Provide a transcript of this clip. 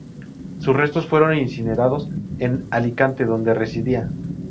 Sus restos fueron incinerados en Alicante, donde residía.